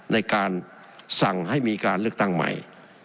ในการสั่งให้มีการเลือกตั้งใหม่